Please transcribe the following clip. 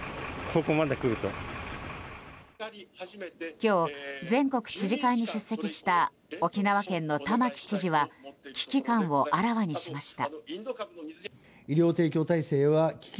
今日、全国知事会に出席した沖縄県の玉城知事は危機感をあらわにしました。